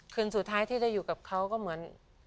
คืนสุดท้ายที่ได้อยู่กับเขาก็เหมือน